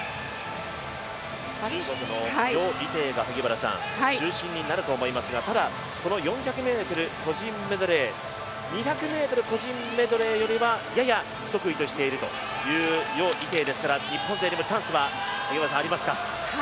中国の余依テイが、中心になると思いますが４００ｍ個人メドレー２００ｍ個人メドレーよりはやや不得意としているという余依テイですから、日本勢にもチャンスはありますか。